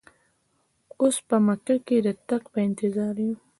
اوس په مکه کې د تګ په انتظار یو.